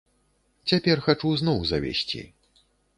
Цяпер хачу зноў завесці.